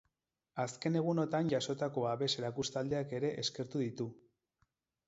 Azken egunotan jasotako babes erakustaldiak ere eskertu ditu.